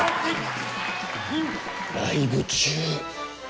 ライブ中。